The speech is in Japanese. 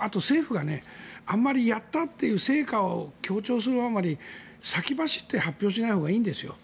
あと、政府があまりやったという成果を強調するあまり先走って発表しないほうがいいんですよ。